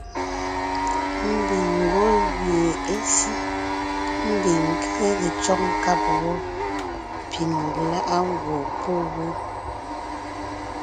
Ḿbiŋ ńgwɔ́ gẅie é sí, ḿbiŋ ńké le cÿɔ́g nkáb wɔ́, piŋ lá’a gwɔ̂ pɔ́ wó.